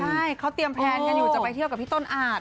ใช่เขาเตรียมแพลนกันอยู่จะไปเที่ยวกับพี่ต้นอาจ